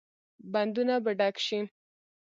بندونه به ډک شي؟